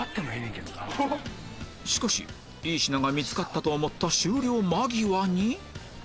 しかしいい品が見つかったと思った終了間際に